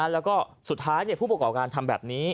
แล้วก็สุดท้ายผู้ประกอบการทำแบบนี้